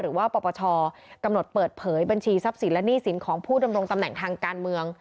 ปปชกำหนดเปิดเผยบัญชีทรัพย์สินและหนี้สินของผู้ดำรงตำแหน่งทางการเมือง